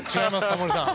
タモリさん。